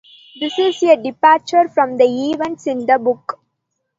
This is a departure from the events in the book.